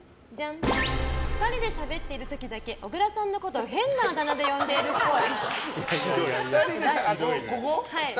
２人でしゃべっている時だけ小倉さんのことを変なあだ名で呼んでいるっぽい。